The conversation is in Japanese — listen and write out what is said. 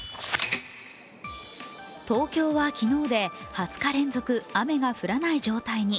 東京は昨日で２０日連続、雨が降らない状態に。